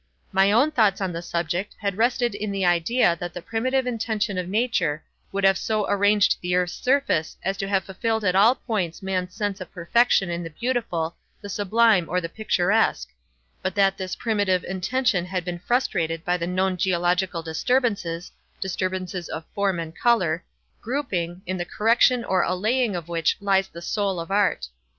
My own thoughts on the subject had rested in the idea that the primitive intention of nature would have so arranged the earth's surface as to have fulfilled at all points man's sense of perfection in the beautiful, the sublime, or the picturesque; but that this primitive intention had been frustrated by the known geological disturbances—disturbances of form and color—grouping, in the correction or allaying of which lies the soul of art.